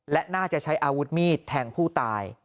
และน่าจะใช้อาวุธมีดแทงผู้ตาย